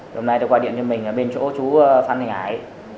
hôm nay tôi qua điện cho mình ở bên chỗ chú phan thành hải